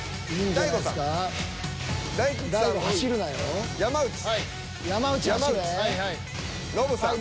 大悟さん